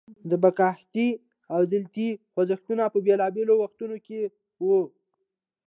د بکهتي او دلیت خوځښتونه په بیلابیلو وختونو کې وو.